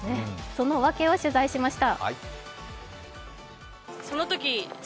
そのワケを取材しました。